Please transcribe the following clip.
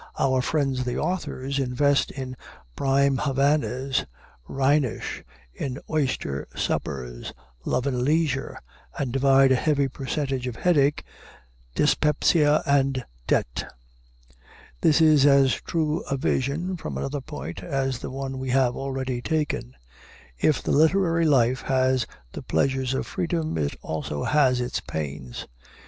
Our friends the authors invest in prime Havanas, Rhenish, in oyster suppers, love and leisure, and divide a heavy percentage of headache, dyspepsia, and debt. This is as true a view, from another point, as the one we have already taken. If the literary life has the pleasures of freedom, it has also its pains.